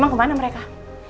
emang kemana mereka